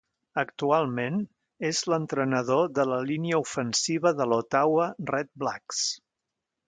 Actualment és l'entrenador de la línia ofensiva de l'Ottawa Redblacks.